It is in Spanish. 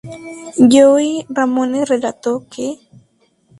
Joey Ramone relato que:.